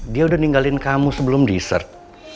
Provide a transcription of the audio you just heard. dia udah ninggalin kamu sebelum desert